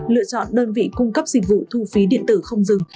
lựa chọn đơn vị cung cấp dịch vụ thu phí điện tử không dừng